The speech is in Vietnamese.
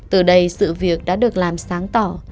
từ đây sự việc đã được làm sáng tỏ